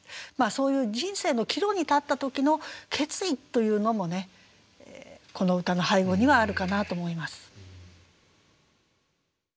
そういう人生の岐路に立った時の決意というのもねこの歌の背後にはあるかなと思います。